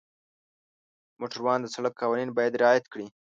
موټروان د سړک قوانین باید رعایت کړي.